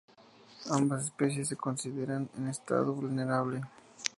Ambas especies se consideran en estado vulnerable.